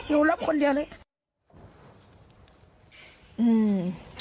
หนูรับคนเดียวเนี่ย